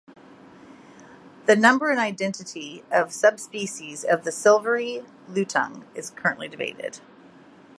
The number and identity of subspecies of the silvery lutung is currently debated.